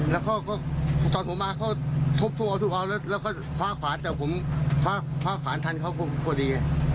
แล้วก็ตอนผมมาเขาทบทวนทุกครั้งแล้วก็คว้าขวานแต่ผมคว้าขวานทันเขาพอดี